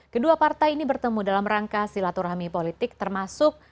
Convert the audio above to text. kedua partai ini bertemu dalam rangka silaturahmi politik termasuk